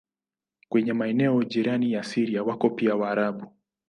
Kwenye maeneo jirani na Syria wako pia Waarabu.